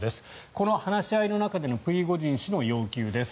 この話し合いの中でのプリゴジン氏の要求です。